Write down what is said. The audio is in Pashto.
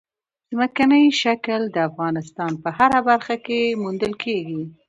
ځمکنی شکل د افغانستان په هره برخه کې موندل کېږي.